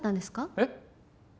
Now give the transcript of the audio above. えっ？